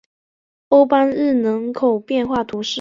欧班日人口变化图示